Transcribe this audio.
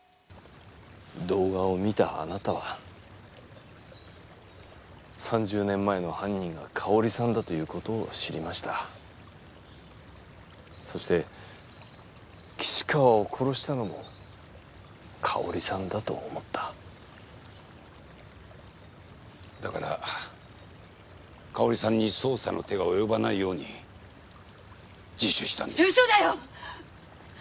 動画を見たあなたは３０年前の犯人が香織さんだということを知りましたそして岸川を殺したのも香織さんだと思っただから香織さんに捜査の手が及ばないように自首したんですウソだよ！